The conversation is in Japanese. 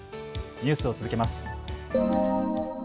ニュースを続けます。